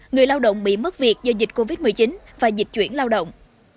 người lao động bị mất việc do dịch covid một mươi chín và dịch chuyển lao động